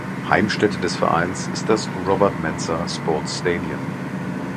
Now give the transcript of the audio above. Heimstätte des Vereins ist das Robert Mensah Sports Stadium.